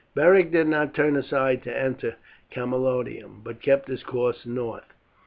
Beric did not turn aside to enter Camalodunum, but kept his course north.